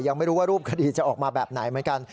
ยังไม่รู้ว่ารูปคดีจะออกมาแบบไหนเหมือนกัน